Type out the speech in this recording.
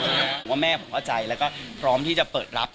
เพราะว่าแม่ผมเข้าใจแล้วก็พร้อมที่จะเปิดรับ